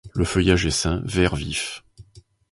Le feuillage est sain, vert vif.